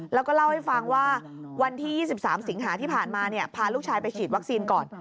แล้วก็เล่าให้ฟังว่าวันที่๒๓สิงหาที่ผ่านมาพาลูกชายไปฉีดวัคซีนก่อน